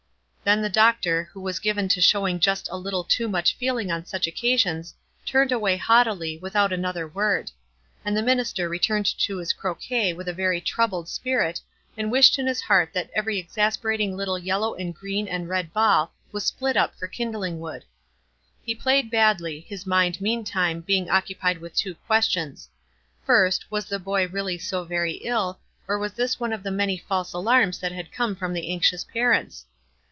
Then the doctor, who was given to showing just a little too much feeling on such occasions, turned away haughtily, without another word ; and the minister returned to his croquet with a very troubled spirit, and wished in his heart that ever}' exasperating little yellow and green and red ball was split up for kindliug wood. He played badly, his mind, meantime, being occu pied with two questions : first, was the boy really so very ill, or was this one of the many false alarms that had come from the anxious parents?